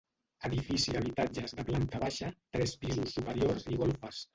Edifici d'habitatges de planta baixa, tres pisos superiors i golfes.